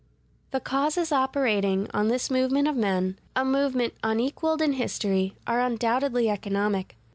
The causes operating on this movement of men—a movement unequaled in history—are undoubtedly economic.